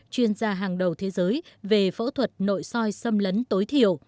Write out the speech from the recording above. chuyên gia hàng đầu thế giới về phẫu thuật nội soi xâm lấn tối thiểu